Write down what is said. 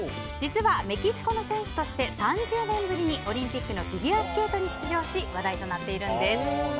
実は、メキシコの選手として３０年ぶりにオリンピックのフィギュアスケートに出場し話題となっているんです。